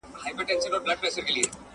بخارونه پر مخ د ستونزې لامل کېدی شي.